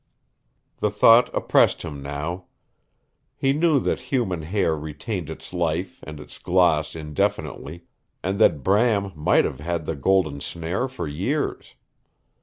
The thought oppressed him now. He knew that human hair retained its life and its gloss indefinitely, and that Bram might have had the golden snare for years.